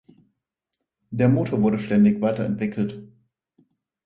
Der Motor wurde ständig weiterentwickelt.